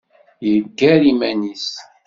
Yeggar iman-is.